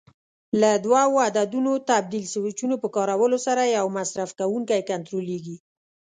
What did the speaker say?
له دوو عددونو تبدیل سویچونو په کارولو سره یو مصرف کوونکی کنټرولېږي.